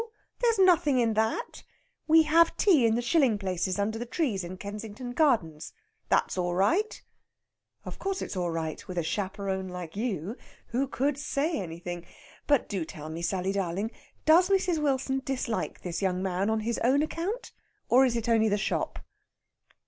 There's nothing in that. We have tea in the shilling places under the trees in Kensington Gardens. That's all right." "Of course that's all right with a chaperon like you! Who could say anything? But do tell me, Sally darling, does Mrs. Wilson dislike this young man on his own account, or is it only the shop?"